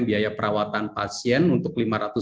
biaya perawatan pasien untuk lima ratus delapan puluh